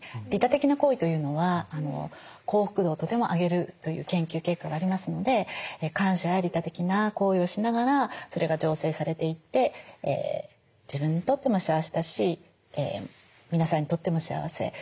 利他的な行為というのは幸福度をとても上げるという研究結果がありますので感謝や利他的な行為をしながらそれが醸成されていって自分にとっても幸せだし皆さんにとっても幸せ。